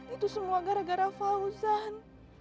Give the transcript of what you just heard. itu semua gara gara fauzan